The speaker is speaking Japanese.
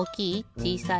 ちいさい？